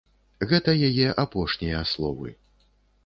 Гэта яе апошнія словы.